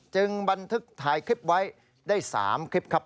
บันทึกถ่ายคลิปไว้ได้๓คลิปครับ